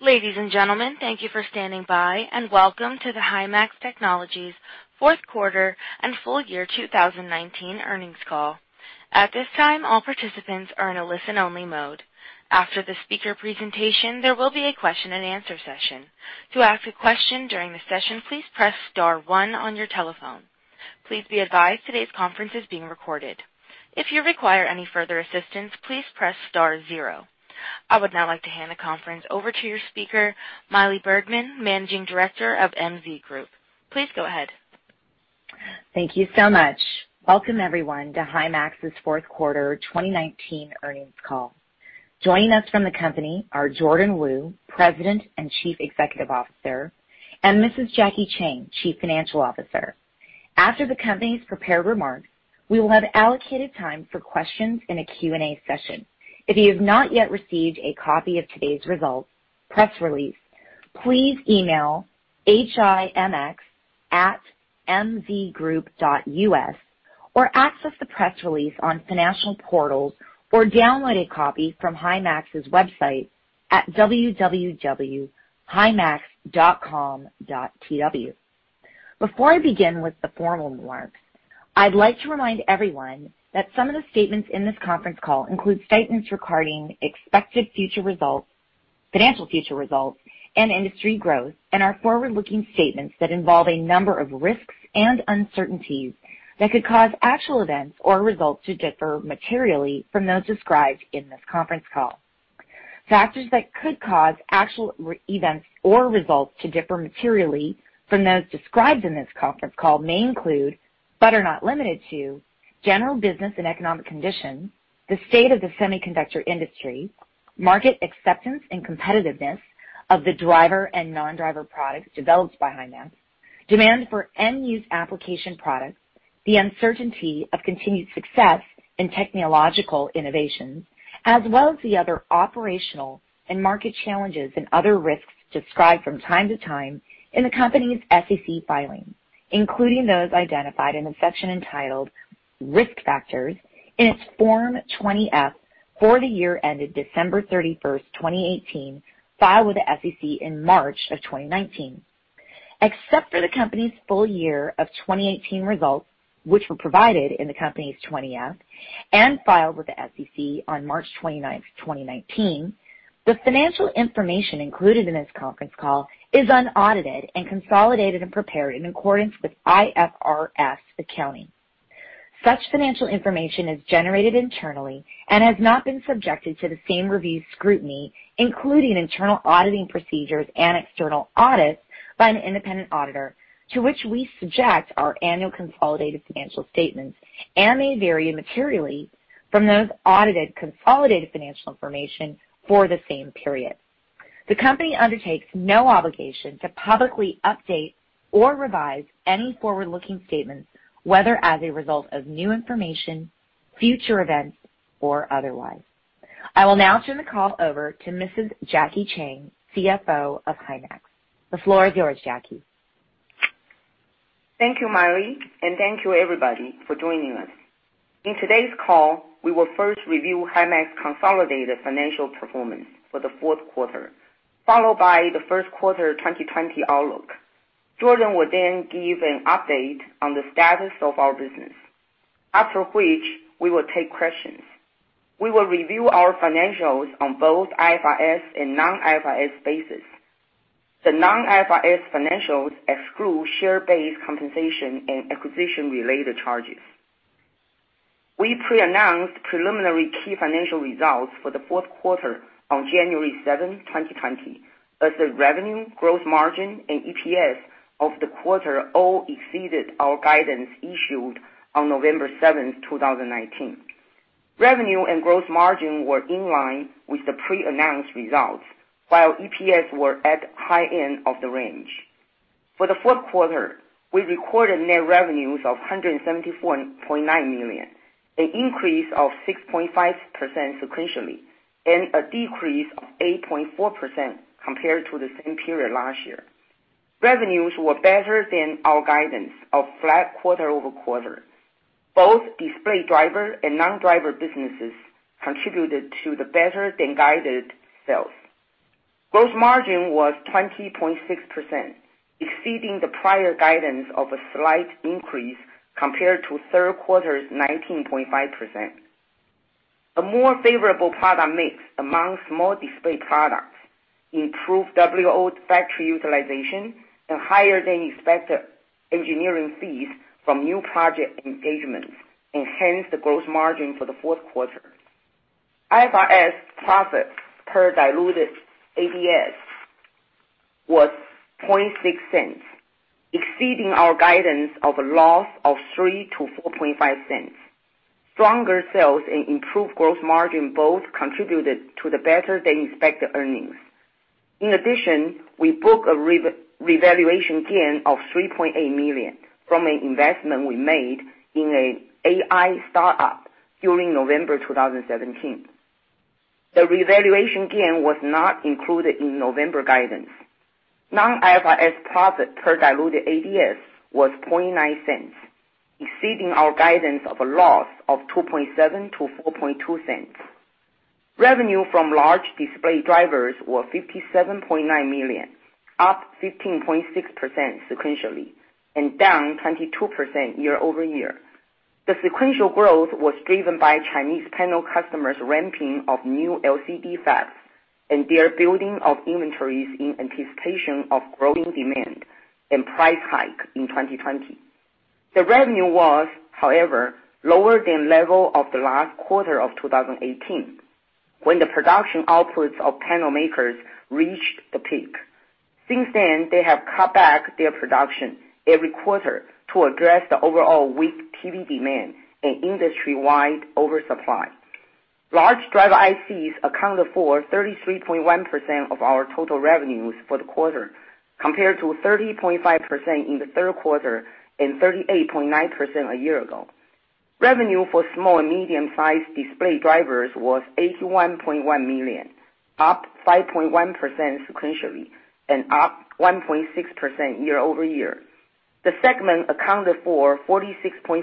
Ladies and gentlemen, thank you for standing by, and welcome to the Himax Technologies fourth quarter and full year 2019 earnings call. At this time, all participants are in a listen-only mode. After the speaker presentation, there will be a question and answer session. To ask a question during the session, please press star one on your telephone. Please be advised today's conference is being recorded. If you require any further assistance, please press star zero. I would now like to hand the conference over to your speaker, Maili Bergman, Managing Director of MZ Group. Please go ahead. Thank you so much. Welcome, everyone, to Himax's fourth quarter 2019 earnings call. Joining us from the company are Jordan Wu, President and Chief Executive Officer, and Mrs. Jackie Chang, Chief Financial Officer. After the company's prepared remarks, we will have allocated time for questions in a Q&A session. If you have not yet received a copy of today's results press release, please email himx@mzgroup.us or access the press release on financial portals, or download a copy from Himax's website at www.himax.com.tw. Before I begin with the formal remarks, I'd like to remind everyone that some of the statements in this conference call include statements regarding expected future results, financial future results, and industry growth, and are forward-looking statements that involve a number of risks and uncertainties that could cause actual events or results to differ materially from those described in this conference call. Factors that could cause actual events or results to differ materially from those described in this conference call may include, but are not limited to, general business and economic conditions, the state of the semiconductor industry, market acceptance and competitiveness of the driver and non-driver products developed by Himax, demand for end-use application products, the uncertainty of continued success in technological innovations, as well as the other operational and market challenges and other risks described from time to time in the company's SEC filings, including those identified in the section entitled Risk Factors in its Form 20-F for the year ended December 31st, 2018, filed with the SEC in March of 2019. Except for the company's full year of 2018 results, which were provided in the company's 20-F and filed with the SEC on March 29th, 2019, the financial information included in this conference call is unaudited and consolidated and prepared in accordance with IFRS accounting. Such financial information is generated internally and has not been subjected to the same review scrutiny, including internal auditing procedures and external audits by an independent auditor, to which we subject our annual consolidated financial statements and may vary materially from those audited consolidated financial information for the same period. The company undertakes no obligation to publicly update or revise any forward-looking statements, whether as a result of new information, future events, or otherwise. I will now turn the call over to Mrs. Jackie Chang, CFO of Himax. The floor is yours, Jackie. Thank you, Maili, and thank you, everybody, for joining us. In today's call, we will first review Himax consolidated financial performance for the fourth quarter, followed by the first quarter 2020 outlook. Jordan will then give an update on the status of our business, after which we will take questions. We will review our financials on both IFRS and non-IFRS basis. The non-IFRS financials exclude share-based compensation and acquisition-related charges. We pre-announced preliminary key financial results for the fourth quarter on January 7th, 2020, as the revenue, gross margin, and EPS of the quarter all exceeded our guidance issued on November 7th, 2019. Revenue and gross margin were in line with the pre-announced results, while EPS were at high end of the range. For the fourth quarter, we recorded net revenues of $174.9 million, an increase of 6.5% sequentially, a decrease of 8.4% compared to the same period last year. Revenues were better than our guidance of flat QoQ. Both display driver and non-driver businesses contributed to the better-than-guided sales. Gross margin was 20.6%, exceeding the prior guidance of a slight increase compared to third quarter's 19.5%. A more favorable product mix amongst more display products improved WLO factory utilization and higher than expected engineering fees from new project engagements enhanced the gross margin for the fourth quarter. IFRS profits per diluted ADS was $0.006, exceeding our guidance of a loss of $0.03-$0.045. Stronger sales and improved gross margin both contributed to the better-than-expected earnings. In addition, we book a revaluation gain of $3.8 million from an investment we made in an AI startup during November 2017. The revaluation gain was not included in November guidance. Non-IFRS profit per diluted ADS was $0.00, exceeding our guidance of a loss of $0.027-$0.042. Revenue from large display drivers were $57.9 million, up 15.6% sequentially and down 22% YoY. The sequential growth was driven by Chinese panel customers' ramping of new LCD fabs and their building of inventories in anticipation of growing demand and price hike in 2020. The revenue was, however, lower than level of the last quarter of 2018, when the production outputs of panel makers reached the peak. Since then, they have cut back their production every quarter to address the overall weak TV demand and industry-wide oversupply. Large driver ICs accounted for 33.1% of our total revenues for the quarter, compared to 30.5% in the third quarter and 38.9% a year ago. Revenue for small and medium-sized display drivers was $81.1 million, up 5.1% sequentially and up 1.6% YoY. The segment accounted for 46.4%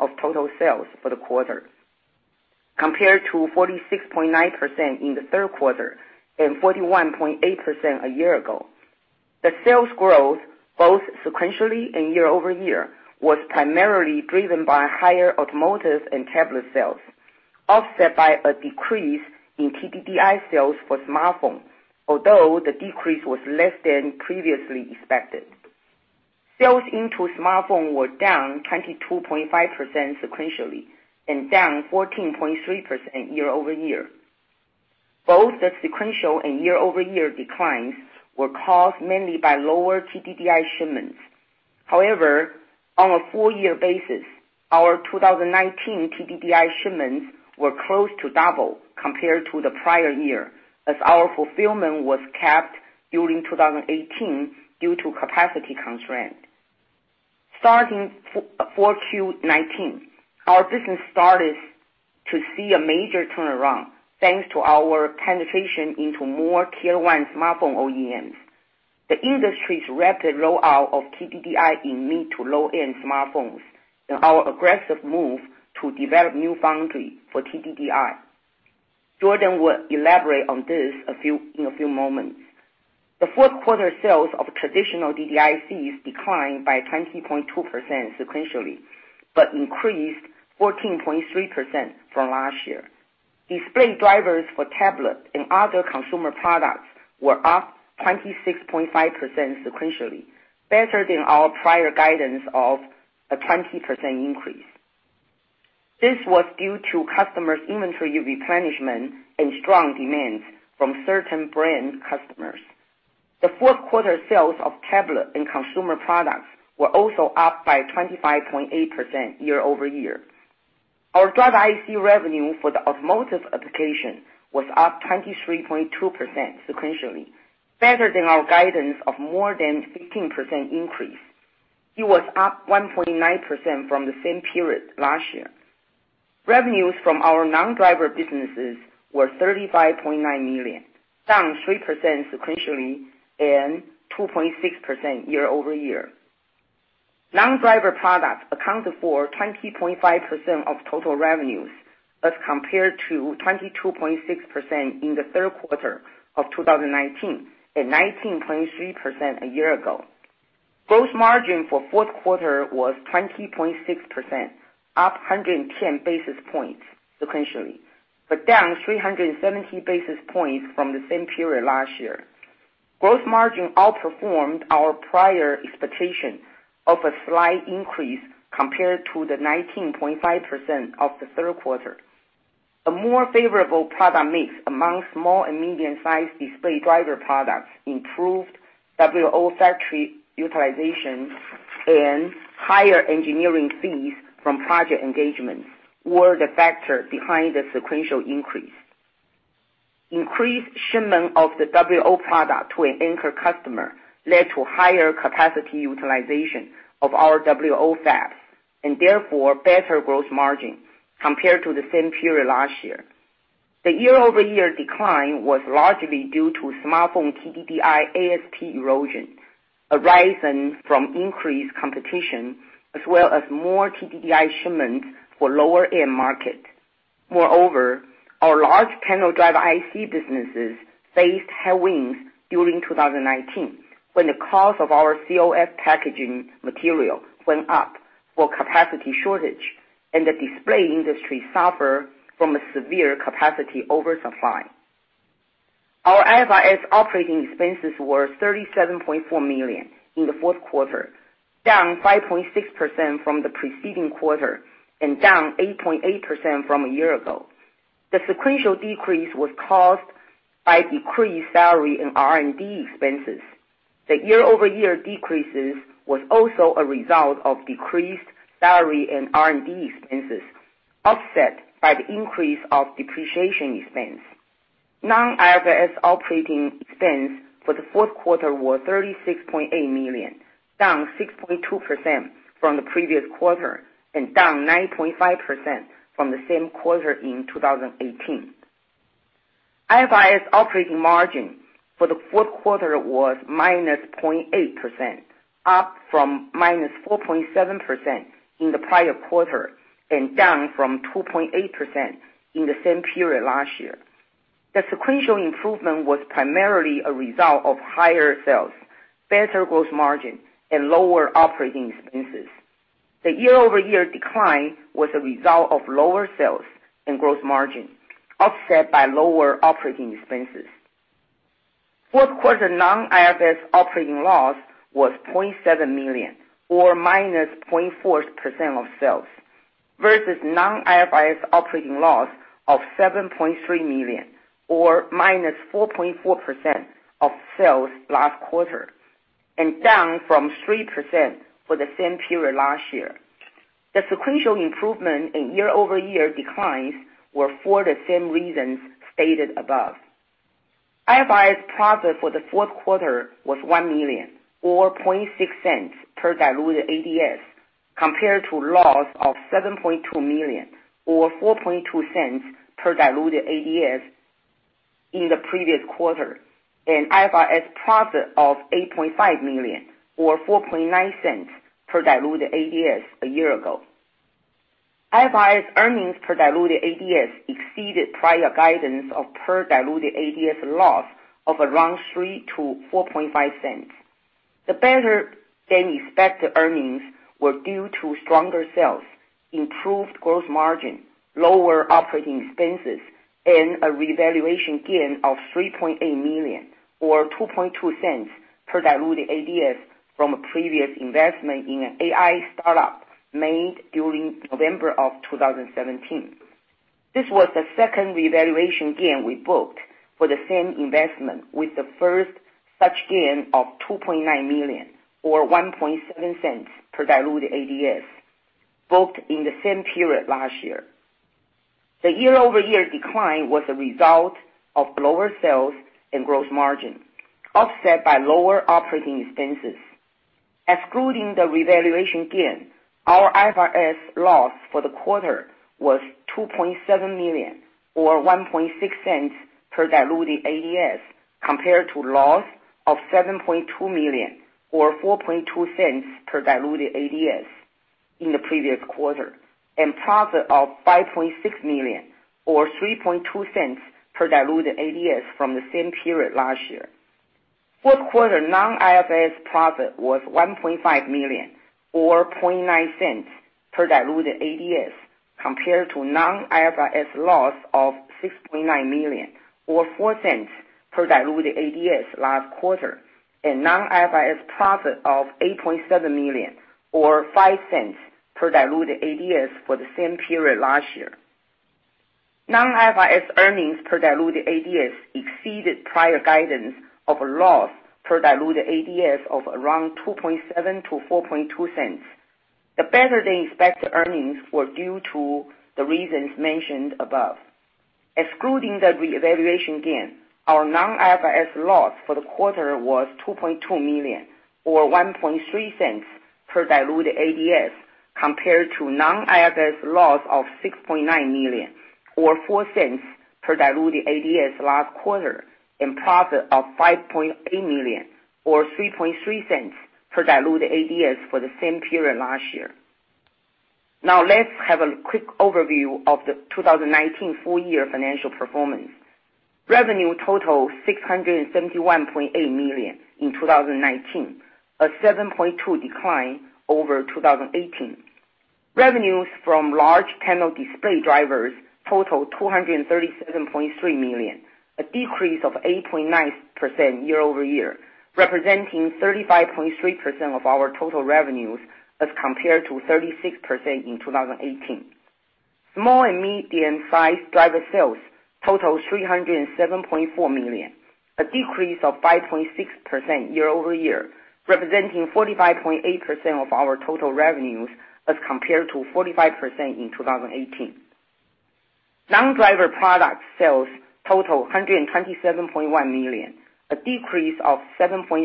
of total sales for the quarter, compared to 46.9% in the third quarter and 41.8% a year ago. The sales growth, both sequentially and YoY, was primarily driven by higher automotive and tablet sales, offset by a decrease in TDDI sales for smartphone, although the decrease was less than previously expected. Sales into smartphone were down 22.5% sequentially and down 14.3% YoY. Both the sequential and YoY declines were caused mainly by lower TDDI shipments. However, on a full year basis, our 2019 TDDI shipments were close to double compared to the prior year as our fulfillment was capped during 2018 due to capacity constraint. Starting Q4 2019, our business started to see a major turnaround thanks to our penetration into more Tier 1 smartphone OEMs, the industry's rapid rollout of TDDI in mid to low-end smartphones and our aggressive move to develop new foundry for TDDI. Jordan will elaborate on this in a few moments. The fourth quarter sales of traditional DDIC declined by 20.2% sequentially, but increased 14.3% from last year. Display drivers for tablet and other consumer products were up 26.5% sequentially, better than our prior guidance of a 20% increase. This was due to customers' inventory replenishment and strong demands from certain brand customers. The fourth quarter sales of tablet and consumer products were also up by 25.8% YoY. Our driver IC revenue for the automotive application was up 23.2% sequentially, better than our guidance of more than 15% increase. It was up 1.9% from the same period last year. Revenues from our non-driver businesses were $35.9 million, down 3% sequentially and 2.6% YoY. Non-driver products accounted for 20.5% of total revenues as compared to 22.6% in the third quarter of 2019 and 19.3% a year ago. Gross margin for fourth quarter was 20.6%, up 110 basis points sequentially, but down 370 basis points from the same period last year. Gross margin outperformed our prior expectation of a slight increase compared to the 19.5% of the third quarter. A more favorable product mix among small and medium-sized display driver products improved WLO factory utilization and higher engineering fees from project engagements were the factor behind the sequential increase. Increased shipment of the WLO product to an anchor customer led to higher capacity utilization of our WLO fabs and therefore better gross margin compared to the same period last year. The YoY decline was largely due to smartphone TDDI ASP erosion arising from increased competition as well as more TDDI shipments for lower-end market. Moreover, our large panel driver IC businesses faced headwinds during 2019 when the cost of our CoF packaging material went up for capacity shortage and the display industry suffer from a severe capacity oversupply. Our IFRS operating expenses were $37.4 million in the fourth quarter, down 5.6% from the preceding quarter and down 8.8% from a year ago. The sequential decrease was caused by decreased salary and R&D expenses. The YoY decreases was also a result of decreased salary and R&D expenses, offset by the increase of depreciation expense. Non-IFRS operating expense for the fourth quarter was $36.8 million, down 6.2% from the previous quarter and down 9.5% from the same quarter in 2018. IFRS operating margin for the fourth quarter was -0.8%, up from -4.7% in the prior quarter and down from 2.8% in the same period last year. The sequential improvement was primarily a result of higher sales, better gross margin, and lower operating expenses. The YoY decline was a result of lower sales and gross margin, offset by lower operating expenses. Fourth quarter non-IFRS operating loss was $0.7 million, or -0.4% of sales, versus non-IFRS operating loss of $7.3 million, or -4.4% of sales last quarter, and down from 3% for the same period last year. The sequential improvement in YoY declines were for the same reasons stated above. IFRS profit for the fourth quarter was $1 million, or $0.006 per diluted ADS, compared to loss of $7.2 million, or $0.042 per diluted ADS in the previous quarter, and IFRS profit of $8.5 million, or $0.049 per diluted ADS a year ago. IFRS earnings per diluted ADS exceeded prior guidance of per-diluted ADS loss of around $0.03-$0.045. The better-than-expected earnings were due to stronger sales, improved gross margin, lower operating expenses, and a revaluation gain of $3.8 million, or $0.022 per diluted ADS from a previous investment in an AI startup made during November of 2017. This was the second revaluation gain we booked for the same investment with the first such gain of $2.9 million, or $0.017 per diluted ADS, booked in the same period last year. The YoY decline was a result of lower sales and gross margin, offset by lower operating expenses. Excluding the revaluation gain, our IFRS loss for the quarter was $2.7 million, or $0.016 per diluted ADS, compared to loss of $7.2 million, or $0.042 per diluted ADS in the previous quarter, and profit of $5.6 million, or $0.032 per diluted ADS from the same period last year. Fourth quarter non-IFRS profit was $1.5 million, or $0.009 per diluted ADS, compared to non-IFRS loss of $6.9 million, or $0.04 per diluted ADS last quarter, and non-IFRS profit of $8.7 million, or $0.05 per diluted ADS for the same period last year. Non-IFRS earnings per diluted ADS exceeded prior guidance of a loss per diluted ADS of around $0.027-$0.042. The better-than-expected earnings were due to the reasons mentioned above. Excluding the revaluation gain, our non-IFRS loss for the quarter was $2.2 million, or $0.013 per diluted ADS, compared to non-IFRS loss of $6.9 million, or $0.04 per diluted ADS last quarter, and profit of $5.8 million, or $0.033 per diluted ADS for the same period last year. Let's have a quick overview of the 2019 full-year financial performance. Revenue total $671.8 million in 2019, a 7.2% decline over 2018. Revenues from large panel display drivers totaled $237.3 million, a decrease of 8.9% YoY, representing 35.3% of our total revenues as compared to 36% in 2018. Small and medium-sized driver sales totaled $307.4 million, a decrease of 5.6% YoY, representing 45.8% of our total revenues as compared to 45% in 2018. Non-driver product sales totaled $127.1 million, a decrease of 7.5%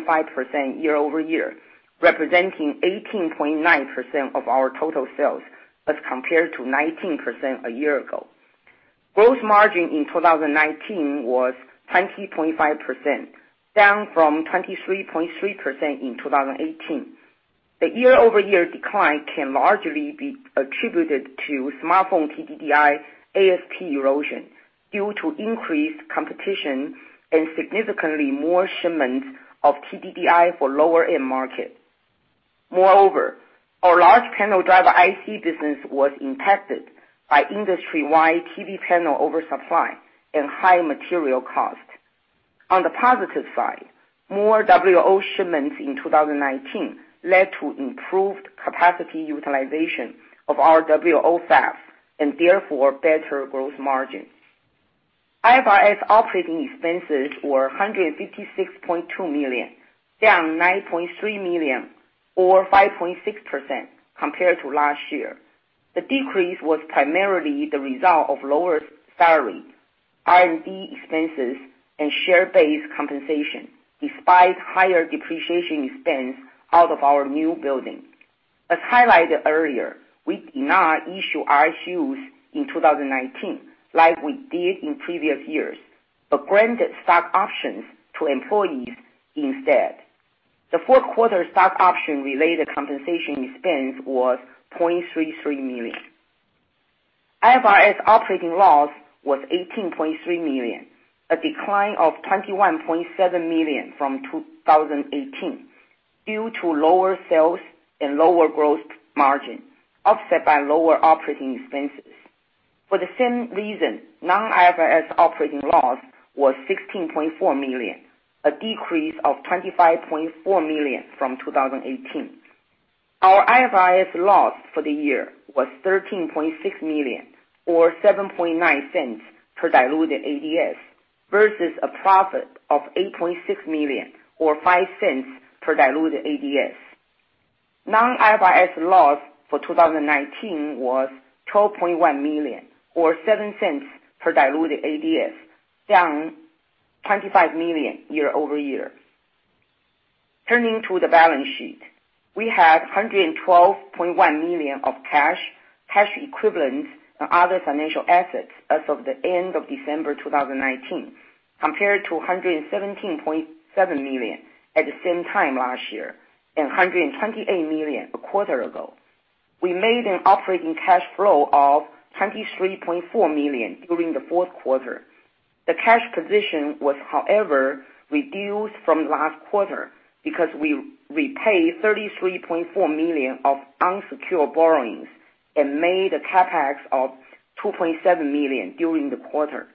YoY, representing 18.9% of our total sales as compared to 19% a year ago. Gross margin in 2019 was 20.5%, down from 23.3% in 2018. The YoY decline can largely be attributed to smartphone TDDI ASP erosion due to increased competition and significantly more shipments of TDDI for lower-end market. Our large panel driver IC business was impacted by industry-wide TV panel oversupply and high material cost. On the positive side, more WLO shipments in 2019 led to improved capacity utilization of our WLO fabs and therefore better gross margin. IFRS operating expenses were $156.2 million, down $9.3 million, or 5.6% compared to last year. The decrease was primarily the result of lower salary, R&D expenses, and share-based compensation, despite higher depreciation expense out of our new building. As highlighted earlier, we did not issue RSUs in 2019 like we did in previous years, but granted stock options to employees instead. The fourth quarter stock option-related compensation expense was $0.33 million. IFRS operating loss was $18.3 million, a decline of $21.7 million from 2018 due to lower sales and lower gross margin, offset by lower operating expenses. For the same reason, non-IFRS operating loss was $16.4 million, a decrease of $25.4 million from 2018. Our IFRS loss for the year was $13.6 million, or $0.079 per diluted ADS, versus a profit of $8.6 million, or $0.05 per diluted ADS. Non-IFRS loss for 2019 was $12.1 million, or $0.07 per diluted ADS, down $25 million YoY. Turning to the balance sheet. We had $112.1 million of cash equivalents, and other financial assets as of the end of December 2019, compared to $117.7 million at the same time last year and $128 million a quarter ago. We made an operating cash flow of $23.4 million during the fourth quarter. The cash position was, however, reduced from last quarter because we repaid $33.4 million of unsecured borrowings and made a CapEx of $2.7 million during the quarter.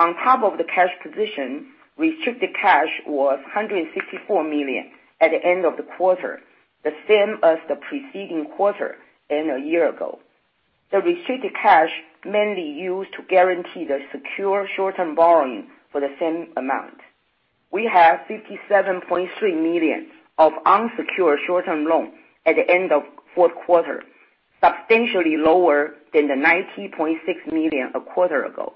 On top of the cash position, restricted cash was $164 million at the end of the quarter, the same as the preceding quarter and a year ago. The restricted cash mainly used to guarantee the secure short-term borrowing for the same amount. We have $57.3 million of unsecured short-term loans at the end of the fourth quarter, substantially lower than the $90.6 million a quarter ago.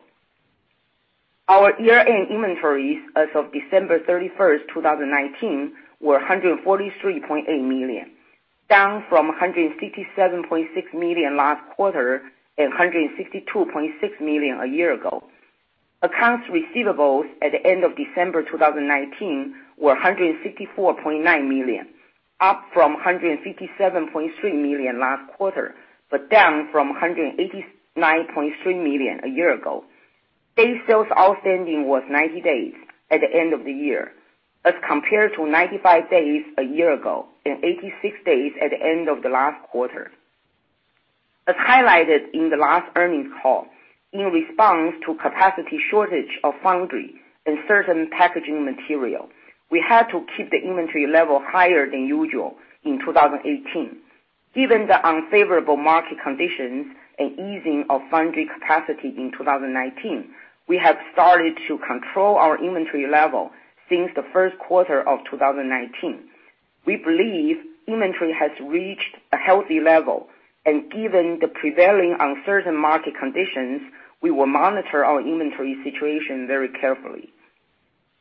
Our year-end inventories as of December 31st, 2019, were $143.8 million, down from $167.6 million last quarter and $162.6 million a year ago. Accounts receivables at the end of December 2019 were $164.9 million, up from $157.3 million last quarter, but down from $189.3 million a year ago. Day sales outstanding was 90 days at the end of the year, as compared to 95 days a year ago and 86 days at the end of the last quarter. As highlighted in the last earnings call, in response to capacity shortage of foundry and certain packaging material, we had to keep the inventory level higher than usual in 2018. Given the unfavorable market conditions and easing of foundry capacity in 2019, we have started to control our inventory level since the first quarter of 2019. We believe inventory has reached a healthy level, and given the prevailing uncertain market conditions, we will monitor our inventory situation very carefully.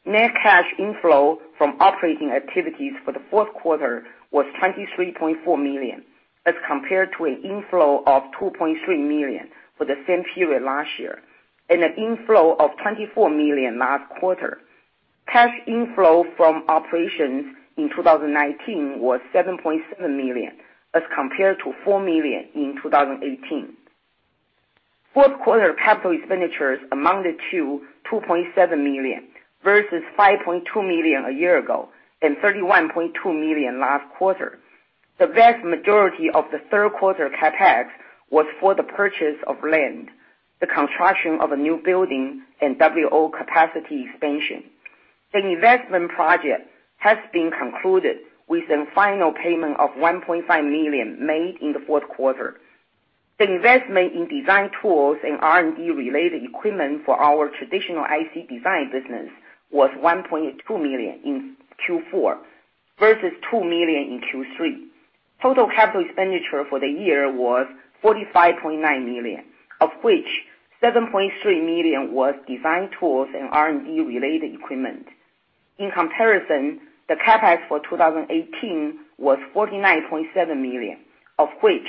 Net cash inflow from operating activities for the fourth quarter was $23.4 million, as compared to an inflow of $2.3 million for the same period last year and an inflow of $24 million last quarter. Cash inflow from operations in 2019 was $7.7 million, as compared to $4 million in 2018. Fourth quarter capital expenditures amounted to $2.7 million, versus $5.2 million a year ago and $31.2 million last quarter. The vast majority of the third quarter CapEx was for the purchase of land, the construction of a new building, and WLO capacity expansion. The investment project has been concluded with a final payment of $1.5 million made in the fourth quarter. The investment in design tools and R&D-related equipment for our traditional IC design business was $1.2 million in Q4, versus $2 million in Q3. Total capital expenditure for the year was $45.9 million, of which $7.3 million was design tools and R&D-related equipment. In comparison, the CapEx for 2018 was $49.7 million, of which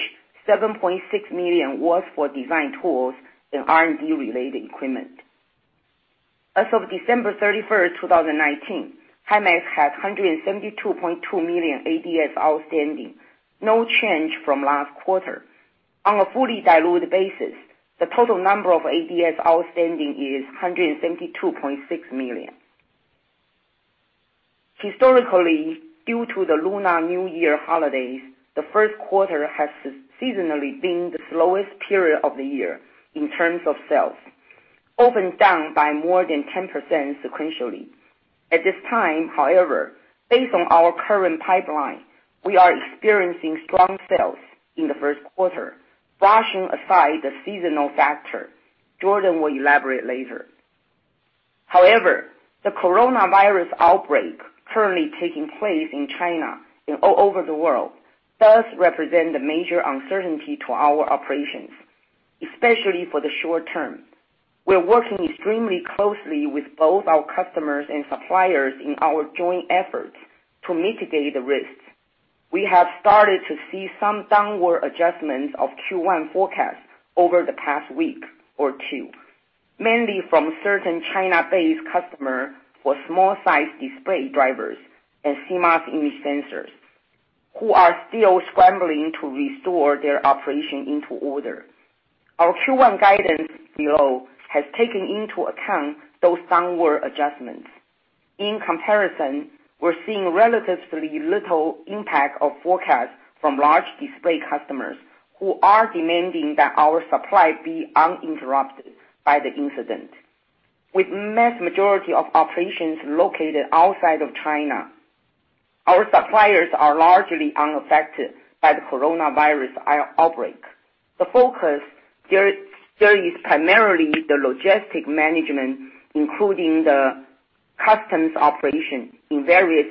$7.6 million was for design tools and R&D-related equipment. As of December 31st, 2019, Himax had 172.2 million ADS outstanding, no change from last quarter. On a fully diluted basis, the total number of ADS outstanding is 172.6 million. Historically, due to the Lunar New Year holidays, the first quarter has seasonally been the slowest period of the year in terms of sales, often down by more than 10% sequentially. At this time, however, based on our current pipeline, we are experiencing strong sales in the first quarter, brushing aside the seasonal factor. Jordan will elaborate later. However, the coronavirus outbreak currently taking place in China and all over the world does represent a major uncertainty to our operations, especially for the short term. We're working extremely closely with both our customers and suppliers in our joint efforts to mitigate the risks. We have started to see some downward adjustments of Q1 forecasts over the past week or two, mainly from certain China-based customer with small size display drivers and CMOS image sensors who are still scrambling to restore their operation into order. Our Q1 guidance below has taken into account those downward adjustments. In comparison, we're seeing relatively little impact of forecast from large display customers who are demanding that our supply be uninterrupted by the incident. With mass majority of operations located outside of China, our suppliers are largely unaffected by the coronavirus outbreak. The focus there is primarily the logistic management, including the customs operation in various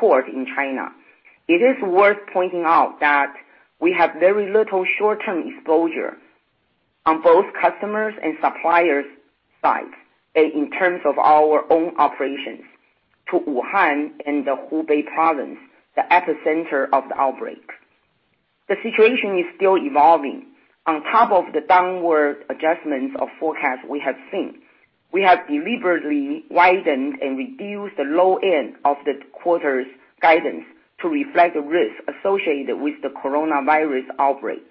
port in China. It is worth pointing out that we have very little short-term exposure on both customers and suppliers sides in terms of our own operations to Wuhan and the Hubei province, the epicenter of the outbreak. The situation is still evolving. On top of the downward adjustments of forecasts we have seen, we have deliberately widened and reduced the low end of the quarter's guidance to reflect the risk associated with the coronavirus outbreak.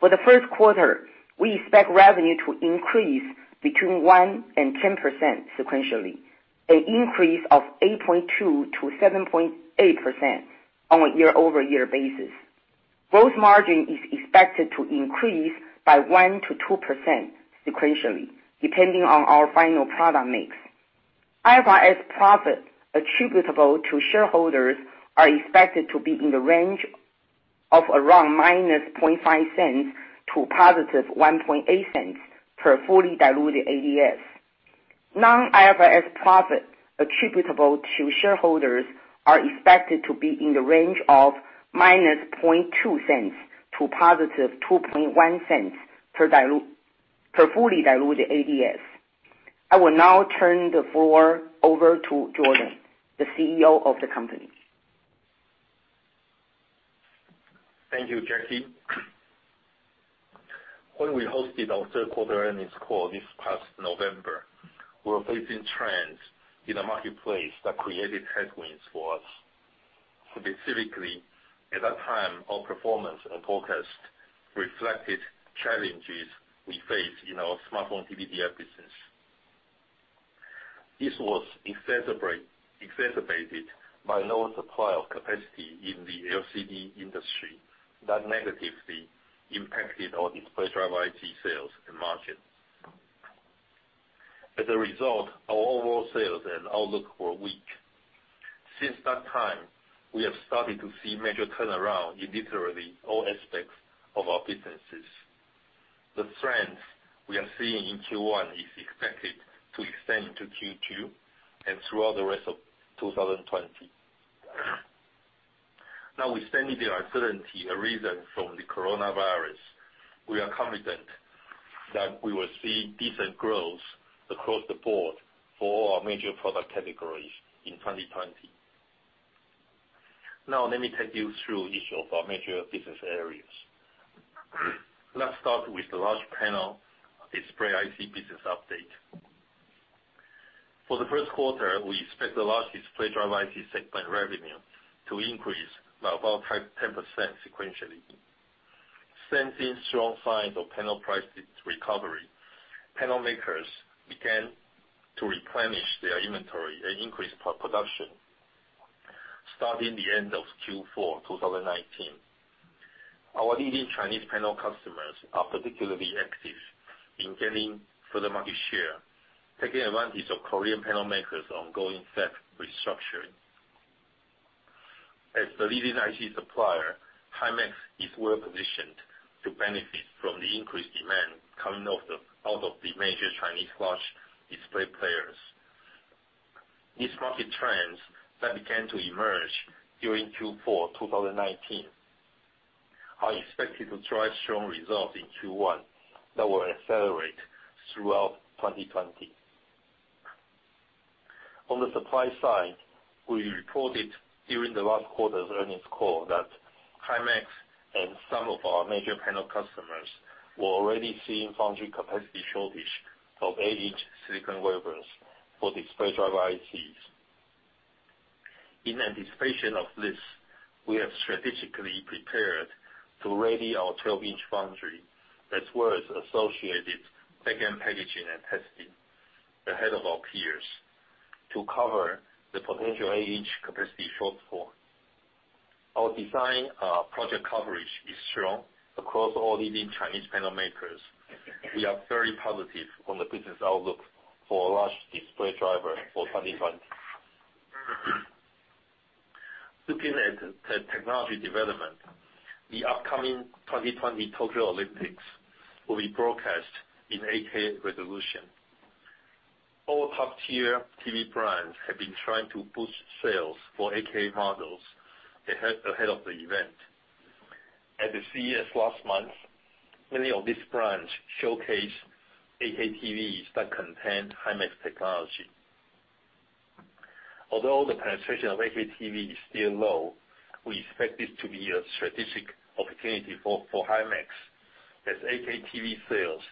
For the first quarter, we expect revenue to increase between 1% and 10% sequentially, an increase of 8.2%-7.8% on a YoY basis. Gross margin is expected to increase by 1%-2% sequentially, depending on our final product mix. IFRS profit attributable to shareholders are expected to be in the range of around -$0.005 to +$0.018 per fully diluted ADS. Non-IFRS profit attributable to shareholders are expected to be in the range of -$0.002 to +$0.021 per fully diluted ADS. I will now turn the floor over to Jordan, the CEO of the company. Thank you, Jackie. When we hosted our third quarter earnings call this past November, we were facing trends in the marketplace that created headwinds for us. Specifically, at that time, our performance and forecast reflected challenges we face in our smartphone TDDI business. This was exacerbated by low supply of capacity in the LCD industry that negatively impacted our display driver IC sales and margins. Our overall sales and outlook were weak. Since that time, we have started to see major turnaround in literally all aspects of our businesses. The trends we are seeing in Q1 is expected to extend to Q2 and throughout the rest of 2020. With standing the uncertainty arisen from the coronavirus, we are confident that we will see decent growth across the board for all our major product categories in 2020. Now let me take you through each of our major business areas. Let's start with the large panel display IC business update. For the first quarter, we expect the large display driver IC segment revenue to increase by about 10% sequentially. Sensing strong signs of panel price recovery, panel makers began to replenish their inventory and increase production starting the end of Q4 2019. Our leading Chinese panel customers are particularly active in gaining further market share, taking advantage of Korean panel makers' ongoing debt restructuring. As the leading IC supplier, Himax is well positioned to benefit from the increased demand coming out of the major Chinese large display players. These market trends that began to emerge during Q4 2019 are expected to drive strong results in Q1 that will accelerate throughout 2020. On the supply side, we reported during the last quarter's earnings call that Himax and some of our major panel customers were already seeing foundry capacity shortage of eight-inch silicon wafers for display driver ICs. In anticipation of this, we have strategically prepared to ready our 12-inch foundry as well as associated back-end packaging and testing ahead of our peers to cover the potential eight-inch capacity shortfall. Our design project coverage is strong across all leading Chinese panel makers. We are very positive on the business outlook for large display driver for 2020. Looking at technology development, the upcoming 2020 Tokyo Olympics will be broadcast in 8K resolution. All top-tier TV brands have been trying to boost sales for 8K models ahead of the event. At the CES last month, many of these brands showcased 8K TVs that contained Himax technology. Although the penetration of 8K TV is still low, we expect this to be a strategic opportunity for Himax, as 8K TV sales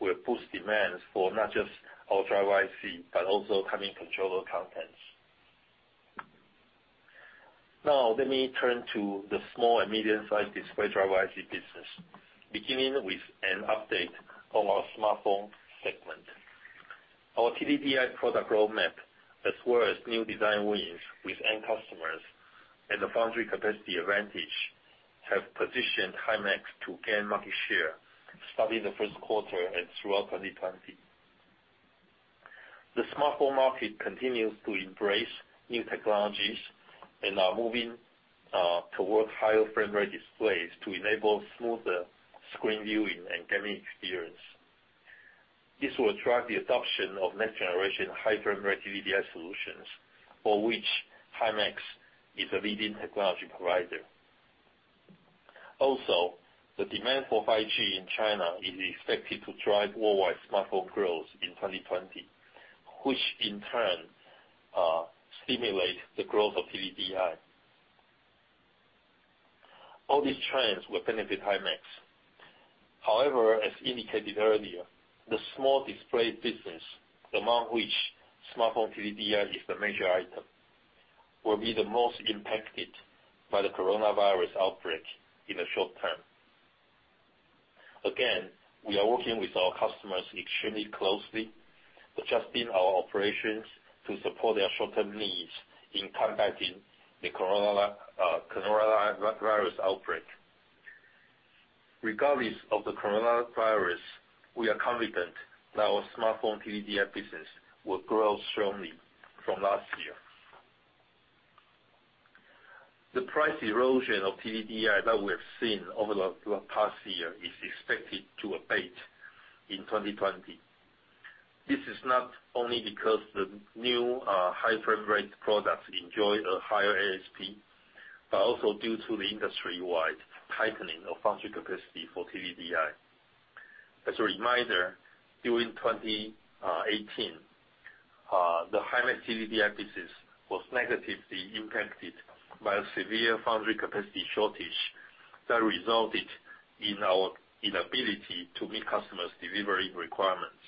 will boost demands for not just our driver IC, but also timing controller contents. Let me turn to the small and medium-sized display driver IC business, beginning with an update on our smartphone segment. Our TDDI product roadmap, as well as new design wins with end customers and the foundry capacity advantage, have positioned Himax to gain market share starting the first quarter and throughout 2020. The smartphone market continues to embrace new technologies and are moving towards higher frame rate displays to enable smoother screen viewing and gaming experience. This will drive the adoption of next-generation high frame rate TDDI solutions, for which Himax is a leading technology provider. The demand for 5G in China is expected to drive worldwide smartphone growth in 2020, which in turn stimulates the growth of TDDI. All these trends will benefit Himax. However, as indicated earlier, the small display business, among which smartphone TDDI is the major item, will be the most impacted by the coronavirus outbreak in the short term. Again, we are working with our customers extremely closely, adjusting our operations to support their short-term needs in combating the coronavirus outbreak. Regardless of the coronavirus, we are confident that our smartphone TDDI business will grow strongly from last year. The price erosion of TDDI that we have seen over the past year is expected to abate in 2020. This is not only because the new high frame rate products enjoy a higher ASP, but also due to the industry-wide tightening of foundry capacity for TDDI. As a reminder, during 2018, the Himax TDDI business was negatively impacted by a severe foundry capacity shortage that resulted in our inability to meet customers' delivery requirements.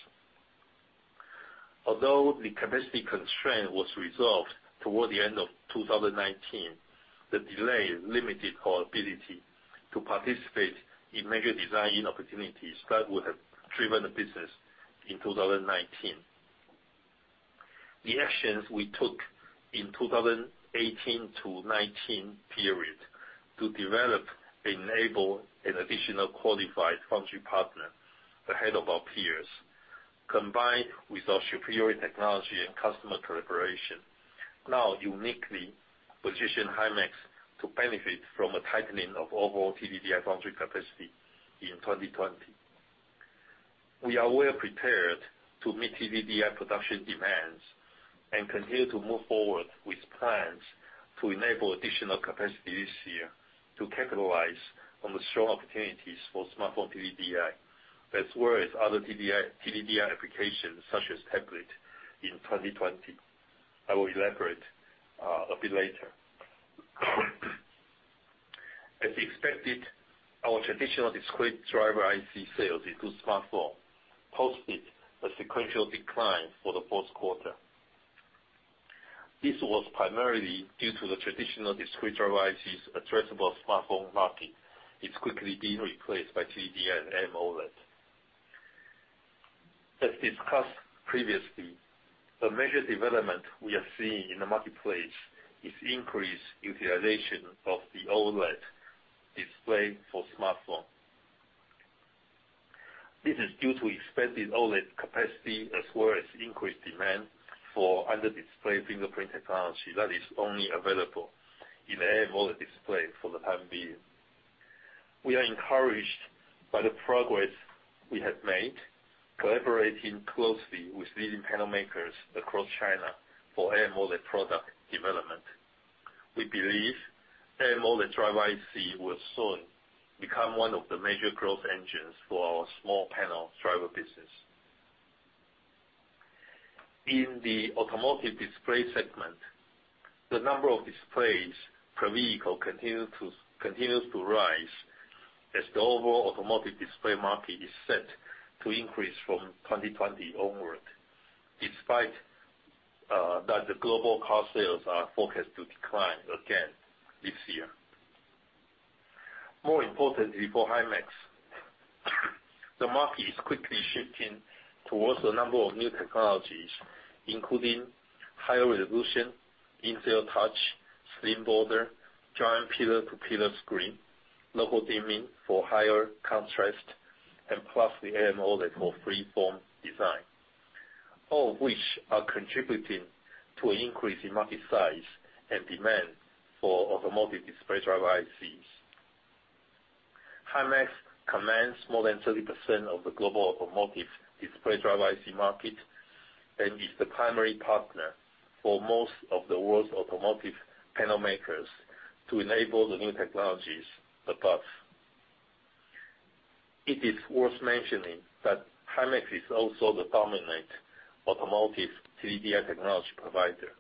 Although the capacity constraint was resolved toward the end of 2019, the delay limited our ability to participate in major design opportunities that would have driven the business in 2019. The actions we took in 2018 to 2019 period to develop, enable an additional qualified foundry partner ahead of our peers, combined with our superior technology and customer collaboration, now uniquely position Himax to benefit from a tightening of overall TDDI foundry capacity in 2020. We are well-prepared to meet TDDI production demands and continue to move forward with plans to enable additional capacity this year to capitalize on the strong opportunities for smartphone TDDI as well as other TDDI applications such as tablet in 2020. I will elaborate a bit later. As expected, our traditional discrete driver IC sales into smartphone posted a sequential decline for the fourth quarter. This was primarily due to the traditional discrete driver IC's addressable smartphone market. It's quickly being replaced by TDDI and AMOLED. As discussed previously, the major development we are seeing in the marketplace is increased utilization of the OLED display for smartphone. This is due to expanded OLED capacity as well as increased demand for under-display fingerprint technology that is only available in AMOLED display for the time being. We are encouraged by the progress we have made collaborating closely with leading panel makers across China for AMOLED product development. We believe AMOLED driver IC will soon become one of the major growth engines for our small panel driver business. In the automotive display segment, the number of displays per vehicle continues to rise as the overall automotive display market is set to increase from 2020 onward, despite that the global car sales are forecast to decline again this year. More importantly for Himax, the market is quickly shifting towards a number of new technologies, including higher resolution, in-cell touch, slim border, giant pillar-to-pillar screen, local dimming for higher contrast, and plus the AMOLED for free form design. All of which are contributing to an increase in market size and demand for automotive display driver ICs. Himax commands more than 30% of the global automotive display driver IC market, and is the primary partner for most of the world's automotive panel makers to enable the new technologies above. It is worth mentioning that Himax is also the dominant automotive TDDI technology provider,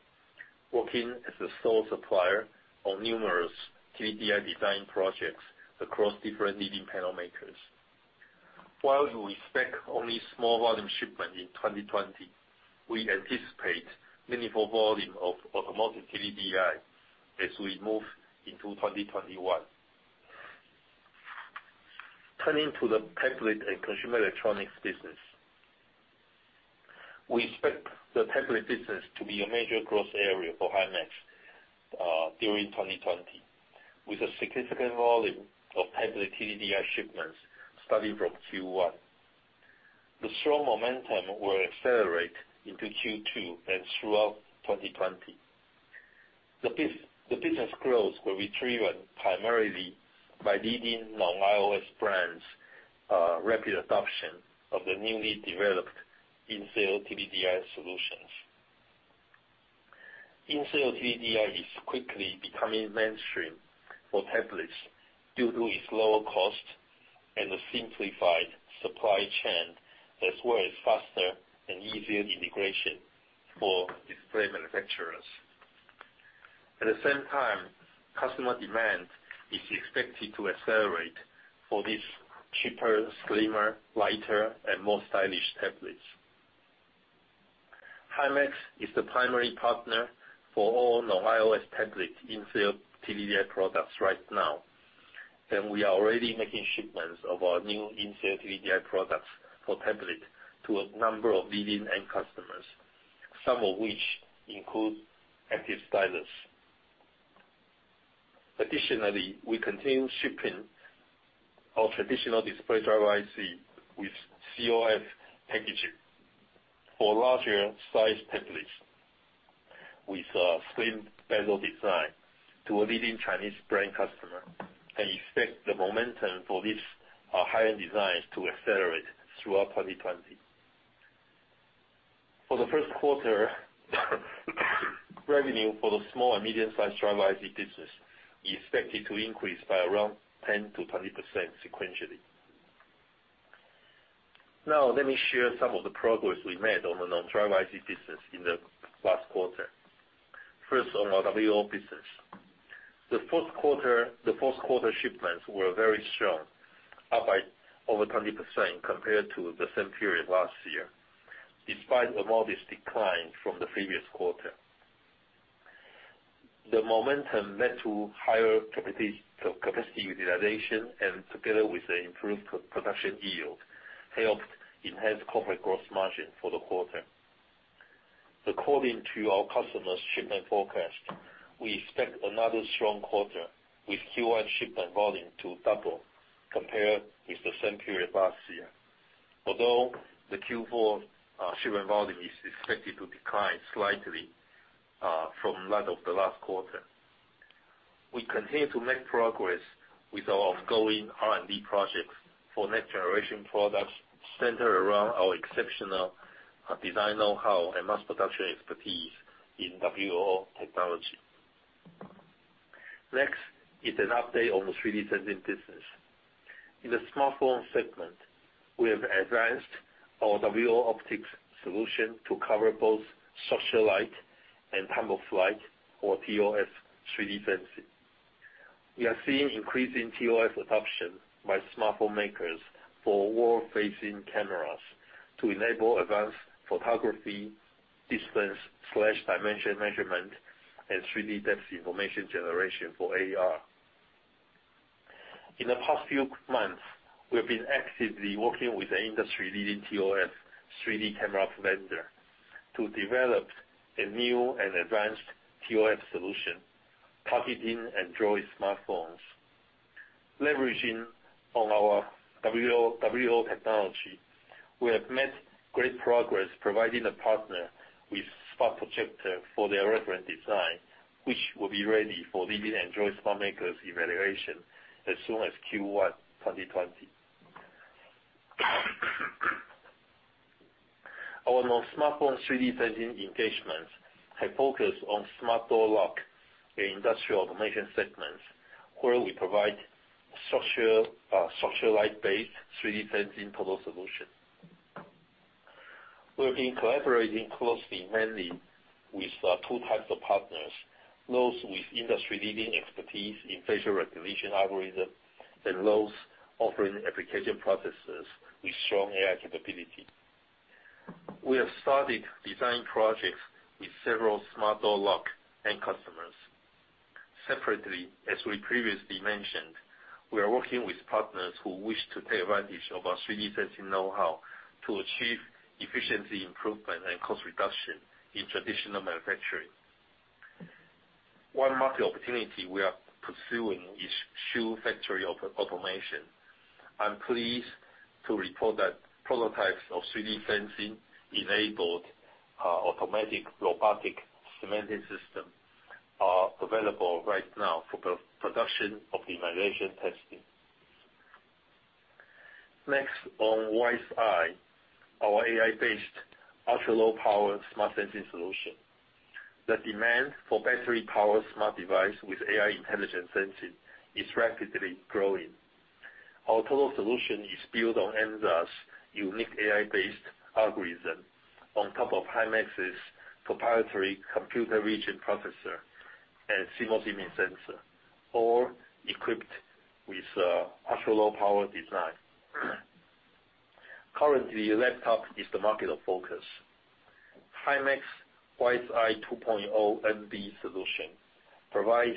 working as the sole supplier on numerous TDDI design projects across different leading panel makers. While we expect only small volume shipment in 2020, we anticipate meaningful volume of automotive TDDI as we move into 2021. Turning to the tablet and consumer electronics business. We expect the tablet business to be a major growth area for Himax during 2020, with a significant volume of tablet TDDI shipments starting from Q1. The strong momentum will accelerate into Q2 and throughout 2020. The business growth will be driven primarily by leading non-iOS brands' rapid adoption of the newly developed in-cell TDDI solutions. In-cell TDDI is quickly becoming mainstream for tablets due to its lower cost and the simplified supply chain, as well as faster and easier integration for display manufacturers. At the same time, customer demand is expected to accelerate for these cheaper, slimmer, lighter, and more stylish tablets. Himax is the primary partner for all non-iOS tablet in-cell TDDI products right now, and we are already making shipments of our new in-cell TDDI products for tablet to a number of leading end customers, some of which include active stylus. Additionally, we continue shipping our traditional display driver IC with CoF packaging for larger size tablets with a slim bezel design to a leading Chinese brand customer, and expect the momentum for these high-end designs to accelerate throughout 2020. For the first quarter, revenue for the small and medium-sized driver IC business is expected to increase by around 10%-20% sequentially. Let me share some of the progress we made on the non-driver IC business in the last quarter. First, on our WLO business. The fourth quarter shipments were very strong, up by over 20% compared to the same period last year, despite a modest decline from the previous quarter. The momentum led to higher capacity utilization, and together with the improved production yield, helped enhance corporate gross margin for the quarter. According to our customers' shipment forecast, we expect another strong quarter, with Q1 shipment volume to double compared with the same period last year. Although the Q4 shipment volume is expected to decline slightly from that of the last quarter. We continue to make progress with our ongoing R&D projects for next generation products centered around our exceptional design know-how and mass production expertise in WLO technology. Next is an update on the 3D sensing business. In the smartphone segment, we have advanced our WLO optic solution to cover both structured light and Time-of-Flight, or ToF, 3D sensing. We are seeing increasing ToF adoption by smartphone makers for forward-facing cameras to enable advanced photography, distance/dimension measurement, and 3D depth information generation for AR. In the past few months, we've been actively working with an industry-leading ToF 3D camera vendor to develop a new and advanced ToF solution targeting Android smartphones. Leveraging on our WLO technology, we have made great progress providing a partner with spot projector for their reference design, which will be ready for leading Android smartphone makers' evaluation as soon as Q1 2020. Our non-smartphone 3D sensing engagements have focused on smart door lock in industrial automation segments, where we provide structured light-based 3D sensing total solution. We've been collaborating closely mainly with two types of partners, those with industry-leading expertise in facial recognition algorithm, and those offering application processes with strong AI capability. We have started design projects with several smart door lock end customers. Separately, as we previously mentioned, we are working with partners who wish to take advantage of our 3D sensing know-how to achieve efficiency improvement and cost reduction in traditional manufacturing. One market opportunity we are pursuing is shoe factory automation. I'm pleased to report that prototypes of 3D sensing-enabled automatic robotic cementing systems are available right now for production of the migration testing. Next on WiseEye, our AI-based ultra-low power smart sensing solution. The demand for battery-powered smart device with AI intelligent sensing is rapidly growing. Our total solution is built on Emza's unique AI-based algorithm, on top of Himax's proprietary computer vision processor and CMOS image sensor, all equipped with ultra-low power design. Currently, the laptop is the market of focus. Himax WiseEye 2.0 NB solution provides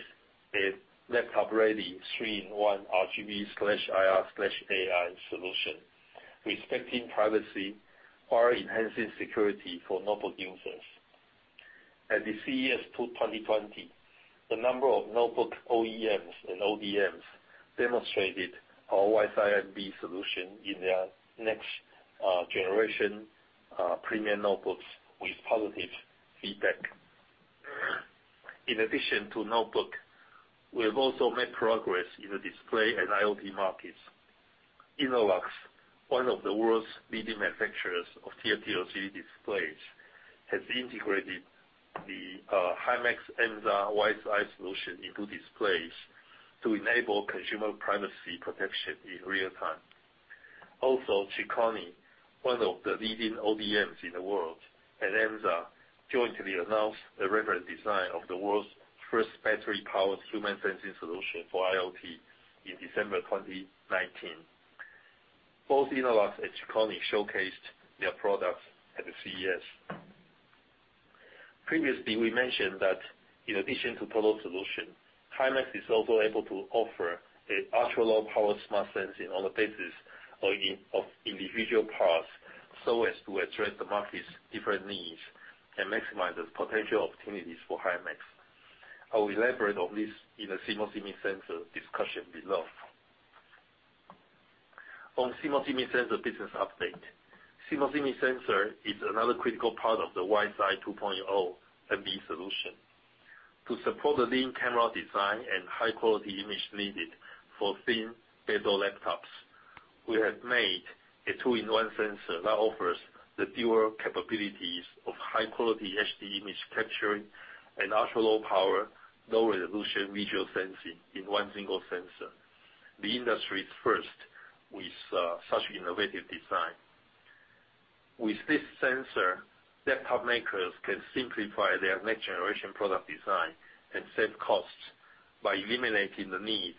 a laptop-ready three-in-one RGB/IR/AI solution, respecting privacy or enhancing security for notebook users. At the CES 2020, the number of notebook OEMs and ODMs demonstrated our WiseEye solution in their next generation premium notebooks with positive feedback. In addition to notebook, we have also made progress in the display and IoT markets. Innolux, one of the world's leading manufacturers of TFT-LCD displays, has integrated the Himax Emza WiseEye solution into displays to enable consumer privacy protection in real time. Also, Chicony, one of the leading ODMs in the world, and Emza jointly announced a reference design of the world's first battery-powered human sensing solution for IoT in December 2019. Both Innolux and Chicony showcased their products at the CES. Previously, we mentioned that in addition to total solution, Himax is also able to offer a ultra-low power smart sensing on the basis of individual parts, so as to address the market's different needs and maximize the potential opportunities for Himax. I will elaborate on this in the CMOS image sensor discussion below. On CMOS image sensor business update. CMOS image sensor is another critical part of the WiseEye 2.0 NB solution. To support the lean camera design and high quality image needed for thin bezel laptops, we have made a two-in-one sensor that offers the dual capabilities of high quality HD image capturing and ultra-low power, low resolution visual sensing in one single sensor. The industry's first with such innovative design. With this sensor, laptop makers can simplify their next generation product design and save costs by eliminating the need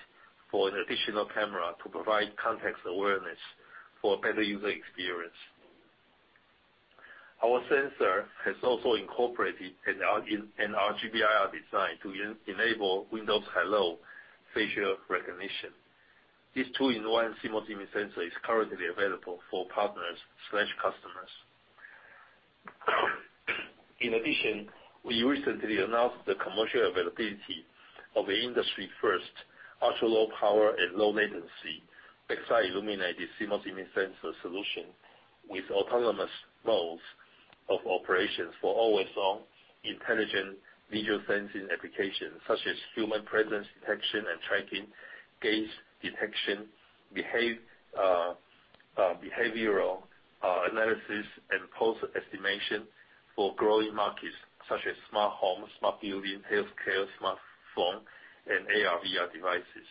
for an additional camera to provide context awareness for better user experience. Our sensor has also incorporated an RGB-IR design to enable Windows Hello facial recognition. This two-in-one CMOS image sensor is currently available for partners/customers. In addition, we recently announced the commercial availability of an industry first ultra-low power and low latency back-side illuminated CMOS image sensor solution with autonomous modes of operations for always-on intelligent video sensing applications, such as human presence detection and tracking, gaze detection, behavioral analysis, and pose estimation for growing markets such as smart home, smart building, healthcare, smartphone, and AR/VR devices.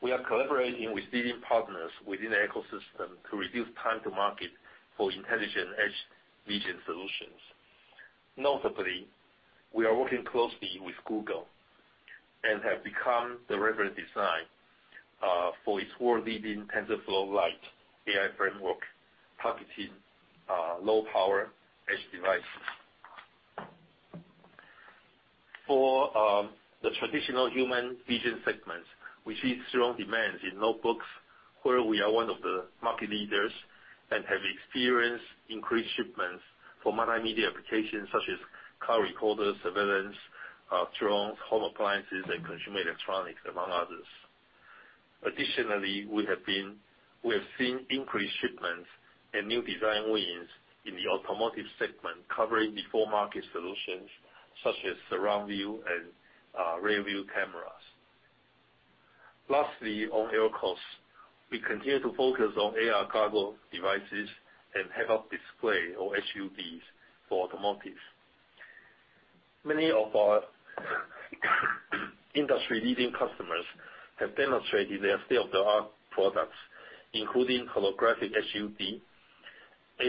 We are collaborating with leading partners within the ecosystem to reduce time to market for intelligent edge vision solutions. Notably, we are working closely with Google and have become the reference design for its world-leading TensorFlow Lite AI framework targeting low power edge devices. For the traditional human vision segments, we see strong demands in notebooks where we are one of the market leaders and have experienced increased shipments for multimedia applications such as car recorders, surveillance, drones, home appliances, and consumer electronics, among others. Additionally, we have seen increased shipments and new design wins in the automotive segment covering the four market solutions such as surround view and rear view cameras. Lastly, on AR cores, we continue to focus on AR goggles devices and head-up display or HUDs for automotives. Many of our industry leading customers have demonstrated their state-of-the-art products, including holographic HUD,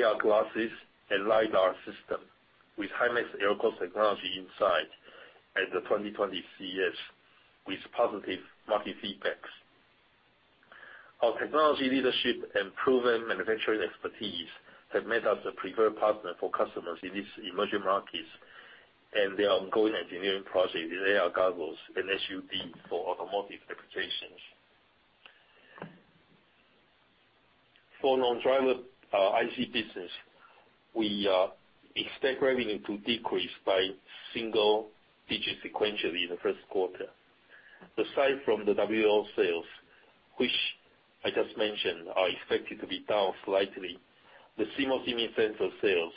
AR glasses, and LiDAR system with Himax AR core technology inside at the 2020 CES with positive market feedbacks. Our technology leadership and proven manufacturing expertise have made us a preferred partner for customers in these emerging markets and their ongoing engineering project in AR goggles and HUD for automotive applications. For non-driver IC business, we expect revenue to decrease by single digit sequentially in the first quarter. Aside from the WLO sales, which I just mentioned, are expected to be down slightly. The CMOS image sensor sales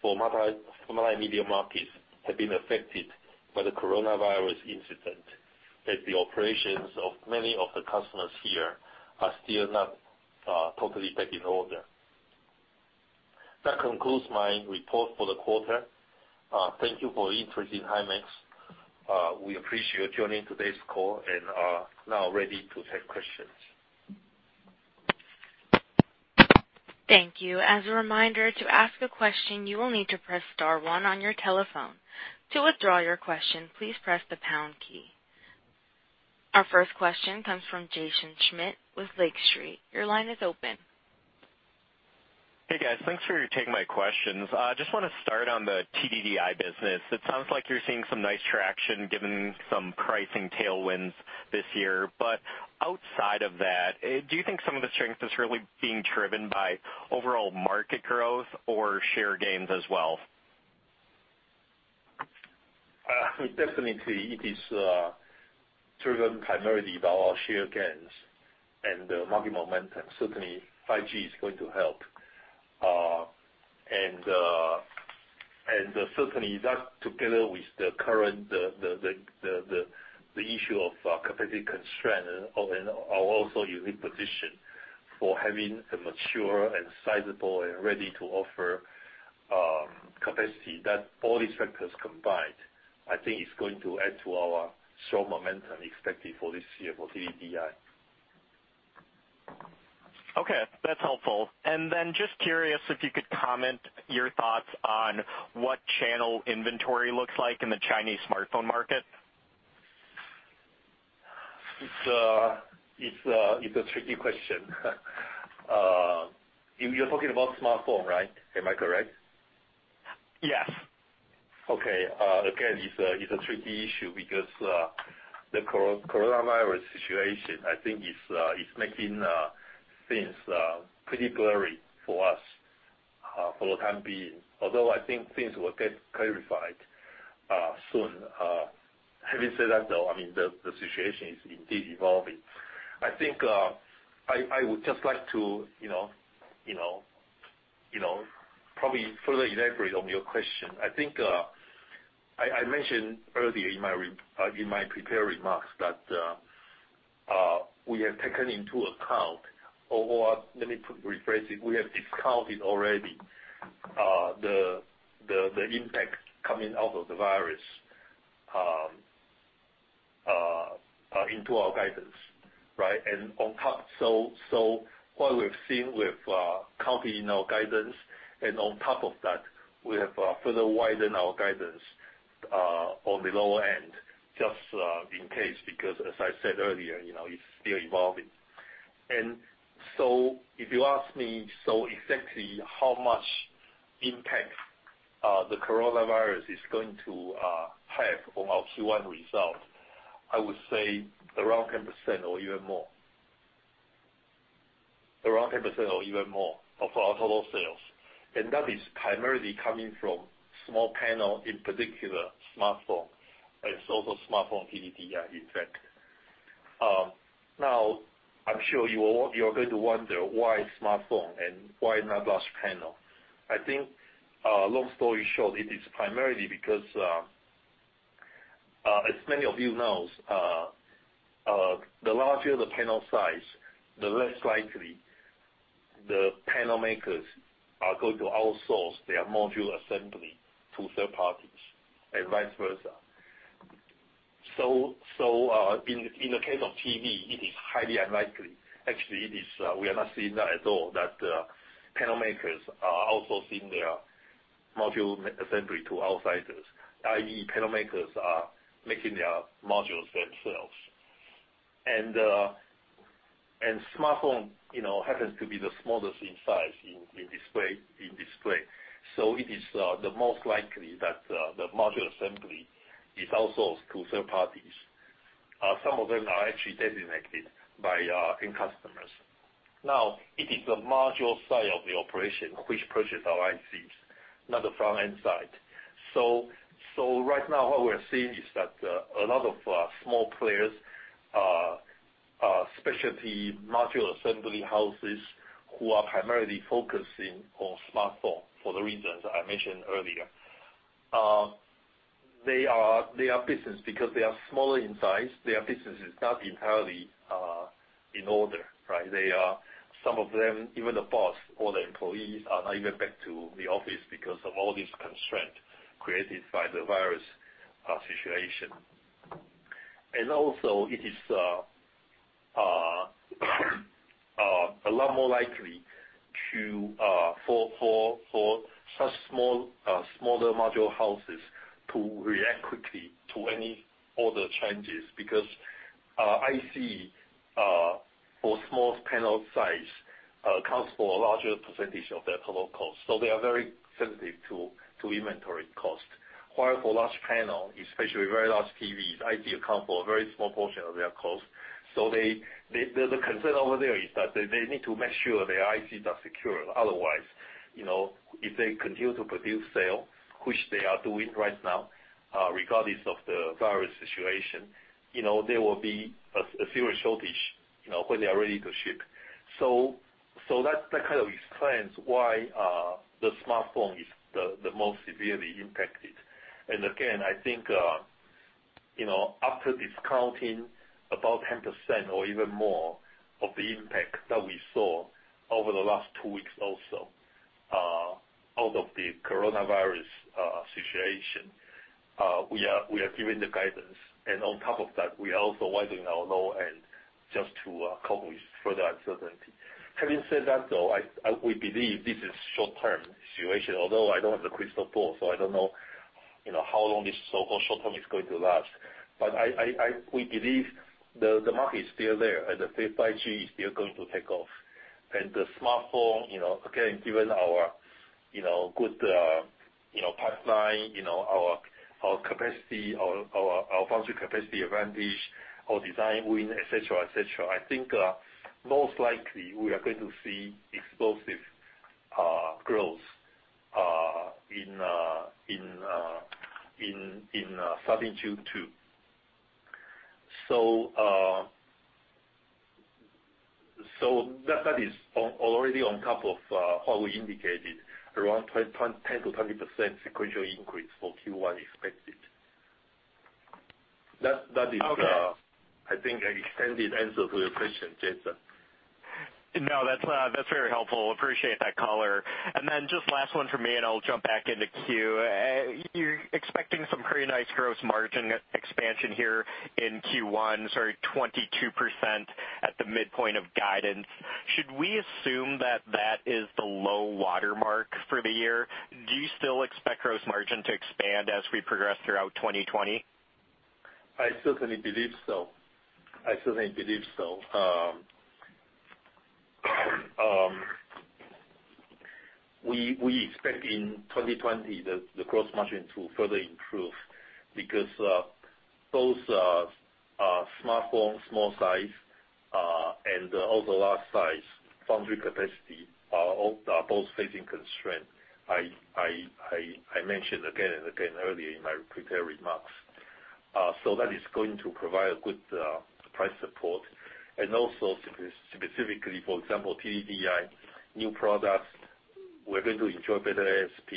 for multimedia markets have been affected by the coronavirus incident, as the operations of many of the customers here are still not totally back in order. That concludes my report for the quarter. Thank you for your interest in Himax. We appreciate you tuning in today's call and are now ready to take questions. Thank you. As a reminder, to ask a question, you will need to press star one on your telephone. To withdraw your question, please press the pound key. Our first question comes from Jaeson Schmidt with Lake Street. Your line is open. Hey, guys. Thanks for taking my questions. I just want to start on the TDDI business. It sounds like you're seeing some nice traction, given some pricing tailwinds this year. Outside of that, do you think some of the strength is really being driven by overall market growth or share gains as well? It definitely is driven primarily by our share gains and market momentum. Certainly, 5G is going to help. Certainly that together with the current issue of capacity constraint and also unique position for having a mature and sizable and ready to offer capacity, all these factors combined, I think, is going to add to our strong momentum expected for this year for TDDI. Okay. That's helpful. Just curious if you could comment your thoughts on what channel inventory looks like in the Chinese smartphone market. It's a tricky question. You're talking about smartphone, right? Am I correct? Yes. Okay. Again, it's a tricky issue because, the coronavirus situation, I think is making things pretty blurry for us for the time being. I think things will get clarified soon. Having said that, though, the situation is indeed evolving. I think I would just like to probably further elaborate on your question. I think, I mentioned earlier in my prepared remarks that we have taken into account, or let me rephrase it, we have discounted already the impact coming out of the virus into our guidance, right? What we've seen, we've counted in our guidance, and on top of that, we have further widened our guidance on the lower end just in case, because as I said earlier, it's still evolving. If you ask me, exactly how much impact the coronavirus is going to have on our Q1 results, I would say around 10% or even more. Around 10% or even more of our total sales. That is primarily coming from small panel, in particular smartphone, and it's also smartphone TDDI, in fact. I'm sure you're going to wonder why smartphone and why not large panel. I think, long story short, it is primarily because, as many of you know, the larger the panel size, the less likely the panel makers are going to outsource their module assembly to third parties and vice versa. In the case of TV, it is highly unlikely. Actually, we are not seeing that at all, that panel makers are outsourcing their module assembly to outsiders, i.e., panel makers are making their modules themselves. Smartphone happens to be the smallest in size in display. It is the most likely that the module assembly is outsourced to third parties. Some of them are actually designated by end customers. It is the module side of the operation which purchase our ICs, not the front-end side. Right now, what we're seeing is that a lot of small players are specialty module assembly houses, who are primarily focusing on smartphone for the reasons I mentioned earlier. Their business, because they are smaller in size, their business is not entirely in order, right? Some of them, even the boss or the employees are not even back to the office because of all this constraint created by the virus situation. It is a lot more likely for such smaller module houses to react quickly to any order changes. Because IC, for small panel size, accounts for a larger percentage of their total cost. They are very sensitive to inventory cost. While for large panel, especially very large TVs, IC account for a very small portion of their cost. The concern over there is that they need to make sure their ICs are secure. Otherwise, if they continue to produce sale, which they are doing right now, regardless of the virus situation, there will be a serious shortage when they are ready to ship. That kind of explains why the smartphone is the most severely impacted. Again, I think, after discounting about 10% or even more of the impact that we saw over the last two weeks also, out of the coronavirus situation, we are giving the guidance. On top of that, we are also widening our low end just to cope with further uncertainty. Having said that, though, we believe this is a short-term situation. Although I don't have a crystal ball, so I don't know how long this so-called short term is going to last. We believe the market is still there and the 5G is still going to take off. The smartphone, again, given our good pipeline, our capacity, our foundry capacity advantage, our design win, et cetera. I think, most likely, we are going to see explosive growth in Q2 2020 too. That is already on top of what we indicated, around 10%- 20% sequential increase for Q1 expected. Okay. I think an extended answer to your question, Jaeson. No, that's very helpful. Appreciate that color. Just last one from me, and I'll jump back into queue. You're expecting some pretty nice gross margin expansion here in Q1, sorry, 22% at the midpoint of guidance. Should we assume that that is the low water mark for the year? Do you still expect gross margin to expand as we progress throughout 2020? I certainly believe so. We expect in 2020, the gross margin to further improve because both smartphone small size, and also large size foundry capacity are both facing constraint. I mentioned again earlier in my prepared remarks. That is going to provide good price support and also specifically, for example, TDDI new products, we're going to enjoy better ASP,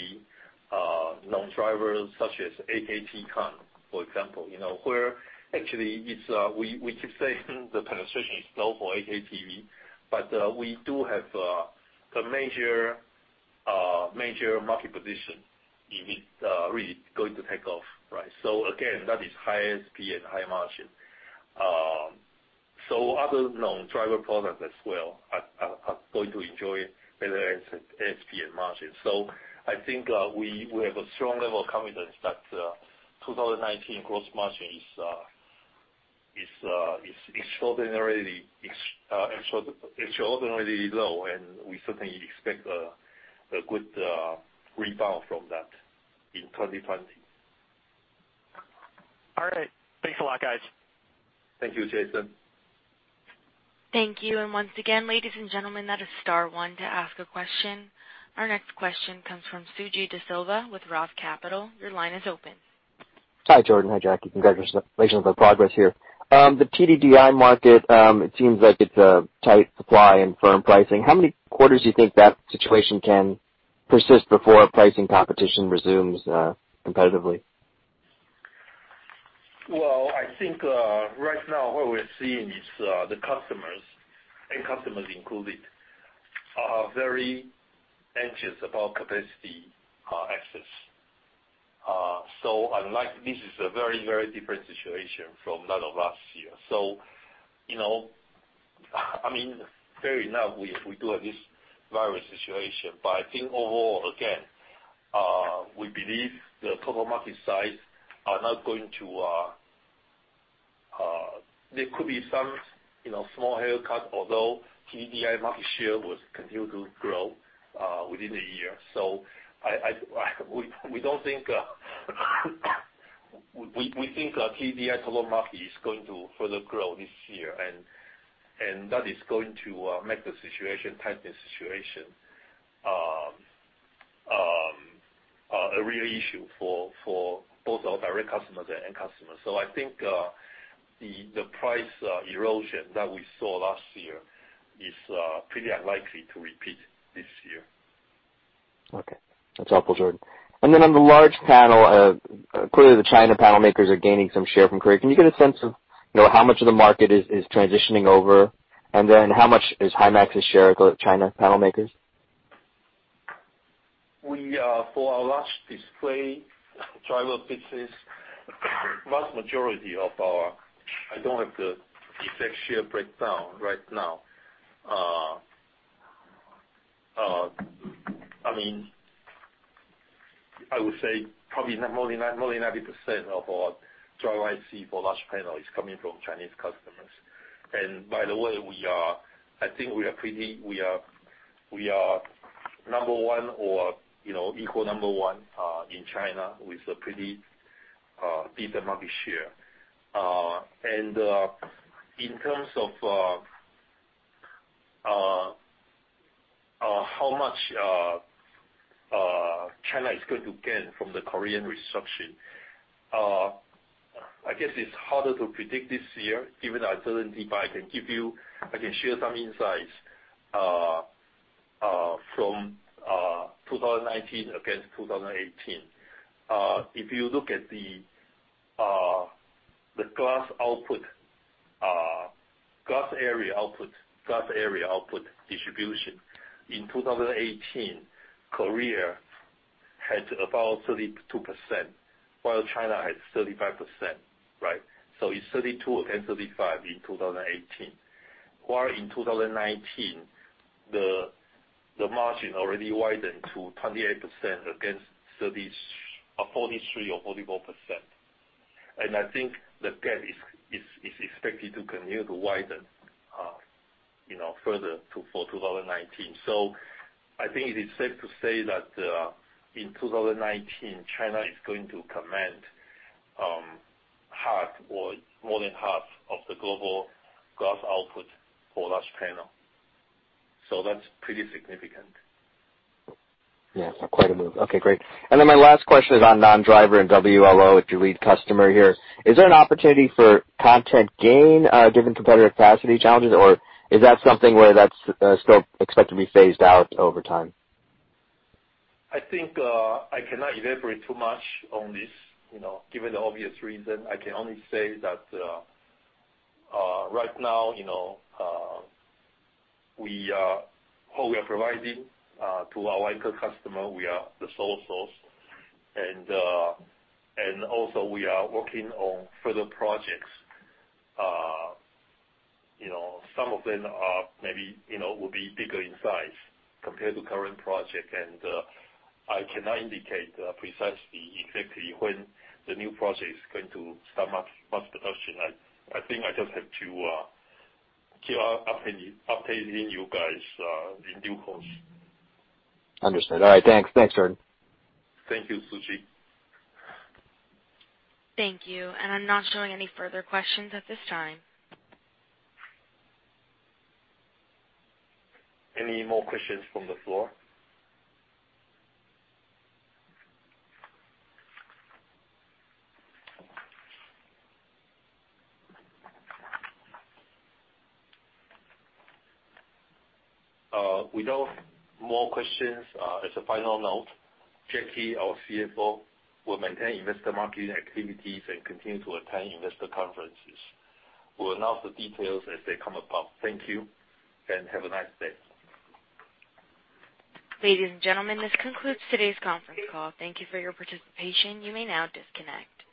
non-drivers such as 8K TV TCON, for example. Where actually, we keep saying the penetration is low for 8K TV. We do have a major market position. It is really going to take off. Again, that is high ASP and high margin. Other non-driver products as well are going to enjoy better ASP and margin. I think we have a strong level of confidence that 2019 gross margin is extraordinarily low, and we certainly expect a good rebound from that in 2020. All right. Thanks a lot, guys. Thank you, Jaeson. Thank you. Once again, ladies and gentlemen, that is star one to ask a question. Our next question comes from Suji Desilva with Roth Capital. Your line is open. Hi, Jordan. Hi, Jackie. Congratulations on the progress here. The TDDI market, it seems like it's a tight supply and firm pricing. How many quarters do you think that situation can persist before pricing competition resumes competitively? Well, I think, right now, what we're seeing is the customers, end customers included, are very anxious about capacity access. This is a very different situation from that of last year. I mean, fair enough, we do have this virus situation. I think overall, again, we believe the total market size There could be some small haircut, although TDDI market share will continue to grow within the year. We think TDDI total market is going to further grow this year, and that is going to make the situation, tighten the situation, a real issue for both our direct customers and end customers. I think the price erosion that we saw last year is pretty unlikely to repeat this year. Okay. That's helpful, Jordan. On the large panel, clearly the China panel makers are gaining some share from Korea. Can you get a sense of how much of the market is transitioning over? How much is Himax's share China panel makers? For our large display driver business, vast majority I don't have the exact share breakdown right now. I would say probably more than 90% of our driver IC for large panel is coming from Chinese customers. By the way, I think we are number one or equal number one in China with a pretty decent market share. In terms of how much China is going to gain from the Korean recession, I guess it's harder to predict this year, given the uncertainty, but I can share some insights from 2019 against 2018. If you look at the glass area output distribution, in 2018, Korea had about 32%, while China had 35%, right? It's 32 against 35 in 2018. While in 2019, the margin already widened to 28% against 43% or 44%. I think the gap is expected to continue to widen further for 2019. I think it is safe to say that in 2019, China is going to command more than half of the global glass output for large panel. That's pretty significant. Yeah. Quite a move. Okay, great. My last question is on non-driver and WLO with your lead customer here. Is there an opportunity for content gain, given competitive capacity challenges, or is that something where that's still expected to be phased out over time? I think, I cannot elaborate too much on this, given the obvious reason. I can only say that right now, all we are providing to our WLO customer, we are the sole source. Also we are working on further projects. Some of them maybe will be bigger in size compared to current project, and I cannot indicate precisely exactly when the new project is going to start mass production. I think I just have to keep updating you guys in due course. Understood. All right. Thanks, Jordan. Thank you, Suji. Thank you. I'm not showing any further questions at this time. Any more questions from the floor? Without more questions, as a final note, Jackie, our CFO, will maintain investor marketing activities and continue to attend investor conferences. We'll announce the details as they come about. Thank you, and have a nice day. Ladies and gentlemen, this concludes today's conference call. Thank you for your participation. You may now disconnect.